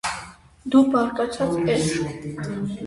դու բարկացած ես երևում: